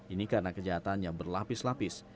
ini karena kejahatan yang berlapis lapis